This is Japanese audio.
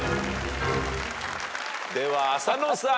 では浅野さん。